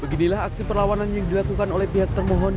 beginilah aksi perlawanan yang dilakukan oleh pihak termohon